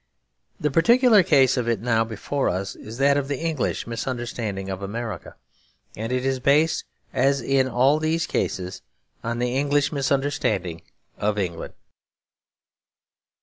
The particular case of it now before us is that of the English misunderstanding of America; and it is based, as in all these cases, on the English misunderstanding of England.